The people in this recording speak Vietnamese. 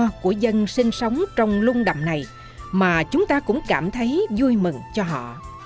mới thấy được cuộc sống ấm no của dân sinh sống trong lung đầm này mà chúng ta cũng cảm thấy vui mừng cho họ